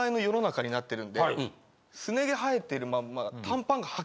すね毛生えてるまんま。